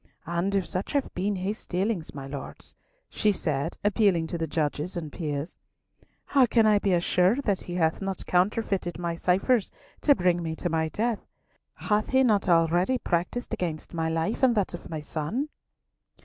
And if such have been his dealings, my Lords," she said, appealing to the judges and peers, "how can I be assured that he hath not counterfeited my ciphers to bring me to my death? Hath he not already practised against my life and that of my son?"